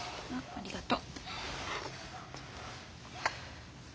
ありがと。